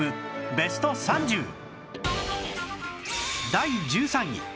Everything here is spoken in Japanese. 第１３位